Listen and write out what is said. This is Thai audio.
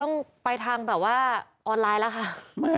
ต้องไปทางแบบว่าออนไลน์แล้วค่ะ